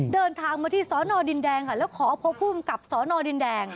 เดินทางมาที่สอนอดินแดงค่ะแล้วขอพบภูมิกับสอนอดินแดง